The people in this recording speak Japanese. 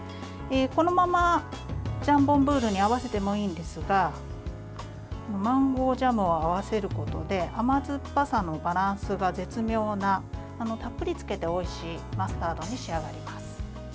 このままジャンボンブールに合わせてもいいんですがマンゴージャムを合わせることで甘酸っぱさのバランスが絶妙なたっぷりつけておいしいマスタードに仕上がります。